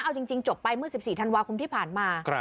เอาจริงจบไปเมื่อ๑๔ธันวาคมที่ผ่านมา